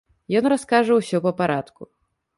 Ён раскажа ўсё па парадку.